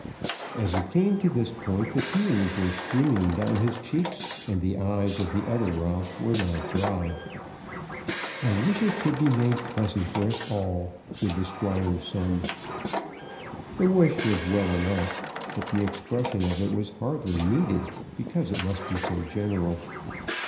As it came to this point, the tears were streaming down his cheeks, and the eyes of the other Ralph were not dry. "I wish it could be made pleasant for us all," said the Squire's son. The wish was well enough, but the expression of it was hardly needed, because it must be so general.